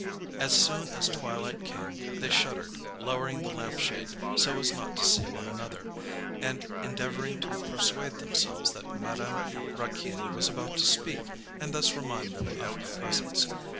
As soon as twilight came, they shuddered, lowering the lamp shade so as not to see one another, and endeavouring to persuade themselves that Madame Raquin was about to speak and thus remind them of her presence.